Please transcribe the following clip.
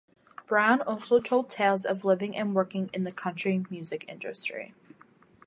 Brown also told tales of living and working in the country music industry.